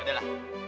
ya udah lah